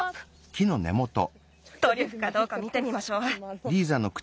トリュフかどうか見てみましょう。